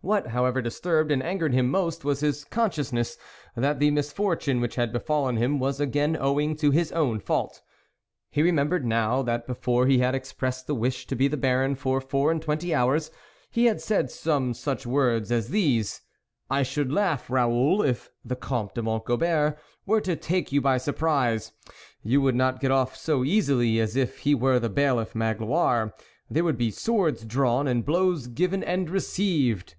What, however, disturbed and angered him most was his consciousness that the misfortune which had befallen him was again owing to his own fault. He remembered now that before he had expressed the wish to be the Baron for four and twenty hours, he had said some such words as these :" I should laugh, Raoul, if the Comte de Mont Gobert were to take you by sur prise ; you would not get off so easily as if he were the Bailiff Magloire ; there would be swords drawn, and blows given and received."